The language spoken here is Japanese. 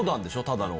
ただの。